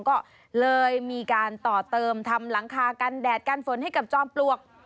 ก็เลยมีการต่อเติมทำหลังคากันแดดกันฝนให้กับจอมปลวก